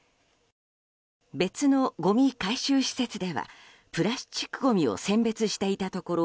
別のごみ回収施設ではプラスチックごみを選別していたところ